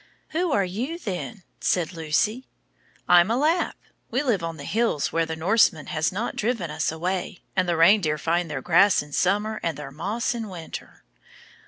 "Who are you, then?" said Lucy. "I'm a Lapp. We live on the hills, where the Norseman has not driven us away, and the reindeer find their grass in summer and their moss in winter."